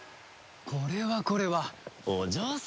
これはこれはお嬢様。